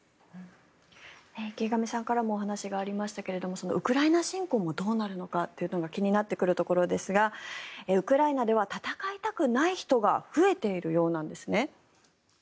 池上さんからもお話がありましたがウクライナ侵攻はどうなるのかというのが気になってくるところですがウクライナでは戦いたくない人が増えているようなんですね。